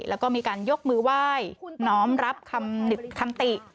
แล้วก็มีการยกมือไหว้น้อมรับคำติ